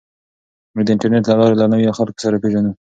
موږ د انټرنیټ له لارې له نویو خلکو سره پېژنو.